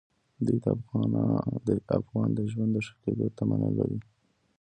دوی د افغان د ژوند د ښه کېدو تمه نه لري.